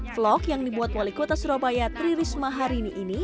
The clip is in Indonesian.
vlog yang dibuat wali kota surabaya tri risma hari ini